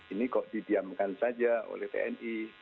ini kok didiamkan saja oleh tni